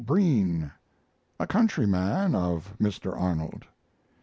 Breen, a countryman of Mr. Arnold.